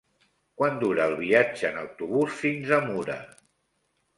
Quant dura el viatge en autobús fins a Mura?